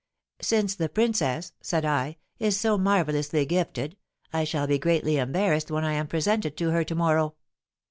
"Since the princess," said I, "is so marvellously gifted, I shall be greatly embarrassed when I am presented to her to morrow.